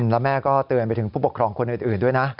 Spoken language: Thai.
แล้วแม่ก็เตือนไปถึงผู้ปกครองคนอื่นด้วยนะ